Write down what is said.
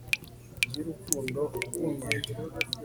y'urukundo rugumye